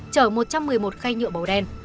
chở một trăm một mươi một khay nhựa bầu đen